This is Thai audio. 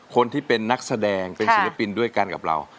คนที่เป็นนักแสดงเป็นศิลปินด้วยกันกับเรา